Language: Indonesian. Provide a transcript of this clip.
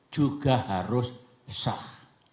juga harus sah